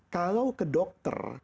kalau ke dokter